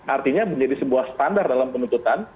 artinya menjadi sebuah standar dalam penuntutan